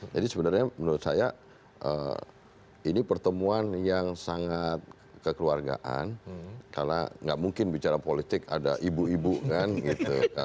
jadi sebenarnya menurut saya ini pertemuan yang sangat kekeluargaan karena nggak mungkin bicara politik ada ibu ibu kan gitu